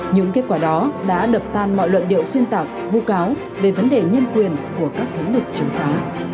những kết quả đó đã lập tan mọi luận điệu xuyên tạc vụ cáo về vấn đề nhân quyền của các thế lực chứng phá